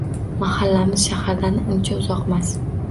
Mahallamiz shahardan uncha uzoqmas.